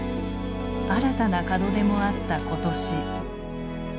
新たな門出もあった今年。